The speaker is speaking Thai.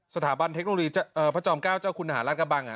สถาบันเทคโนโลยีพระจอม๙เจ้าคุณหารัฐกระบัง